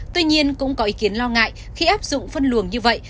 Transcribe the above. tuy nhiên cũng có ý kiến lo ngại khi áp dụng phân luồng như vậy